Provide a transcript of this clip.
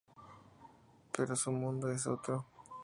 Pero su mundo es otro.